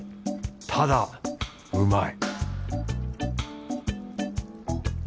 ただうまい